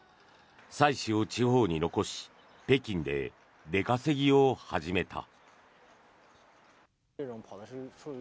妻子を地方に残し北京で出稼ぎを始めた。